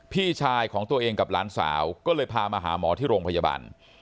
พี่ชายของตัวเองกับหลานสาวก็เลยพามาหาหมอที่โรงพยาบาล